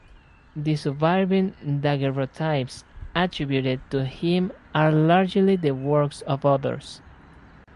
The surviving Daguerreotypes attributed to him are largely the works of others.